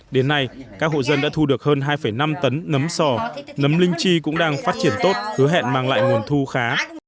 đến nay các hộ dân đã thu được hơn hai năm tấn nấm sò nấm linh chi cũng đang phát triển tốt hứa hẹn mang lại nguồn thu khá